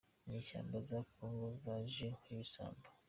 Inyeshyamba za kongo yaje nk’ibisambo